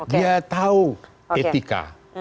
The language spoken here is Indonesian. dia tahu etika